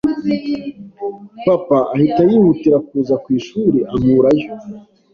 papa ahita yihutira kuza ku ishuri ankurayo